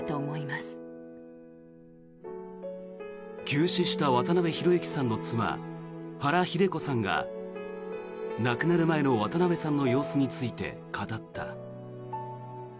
急死した渡辺裕之さんの妻原日出子さんが亡くなる前の渡辺さんの様子について語った。